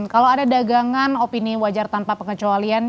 kalau ada dagangan opini wajar tanpa pengecualian